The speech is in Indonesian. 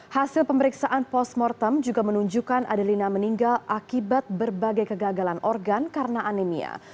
hasil pemeriksaan postmortem juga menunjukkan adelina meninggal akibat berbagai kegagalan organ karena anemia